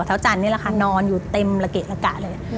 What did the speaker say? กว่าเท้าจันนี่แหละค่ะนอนอยู่เต็มระเกะระกะเลย